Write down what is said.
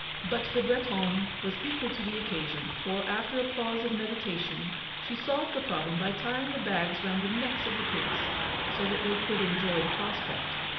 But the Bretonne was equal to the occasion; for, after a pause of meditation, she solved the problem by tying the bags round the necks of the pigs, so that they could enjoy the prospect.